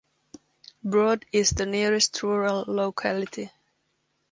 Brod is the nearest rural locality.